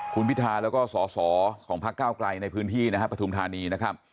คุณพิทัยและก็สอของพระเก้าไกรในพื้นที่ประธุมธานี